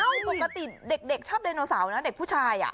ใช่ปกติเด็กชอบไดโนเสาร์นะเด็กผู้ชาย